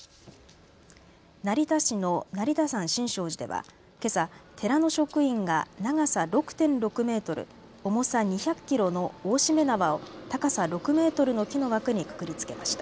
成田市の成田山新勝寺ではけさ、寺の職員が長さ６．６メートル重さ２００キロの大しめ縄を高さ６メートルの木の枠にくくりつけました。